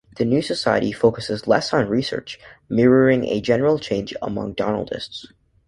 The new society focuses less on research, mirroring a general change among donaldists.